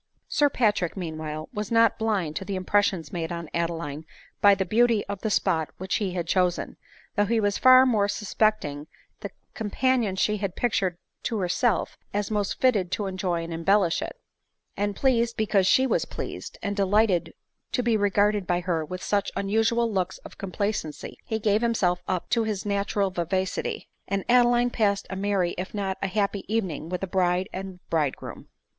Sir Patrick, meanwhile, was not blind to the impressions made on Adeline by the beauty of the spot which he had chosen, though he was far from suspecting the com panion she had pictured to herself as most fitted to enjoy and embellish it ; and pleased because she was pleased, and delighted to be regarded by her with such unusual looks of complacency, he gave himself up to his natural vivacity ; and Adeline passed a merry, if not a happy evening, with the bride and bridegroom.